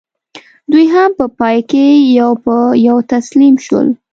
دوی هم په پای کې یو په یو تسلیم شول.